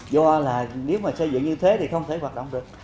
do là nếu mà xây dựng như thế thì không thể hoạt động được